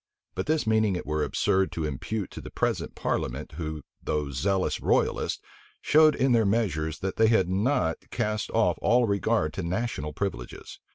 But this meaning it were absurd to impute to the present parliament, who, though zealous royalists, showed in their measures that they had not cast off all regard to national privileges.